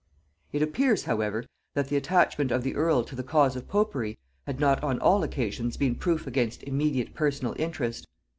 It appears, however, that the attachment of the earl to the cause of popery had not on all occasions been proof against immediate personal interest.